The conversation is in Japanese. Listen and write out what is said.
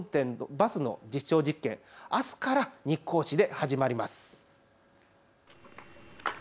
バスの実証実験、あすから日光市で始まります。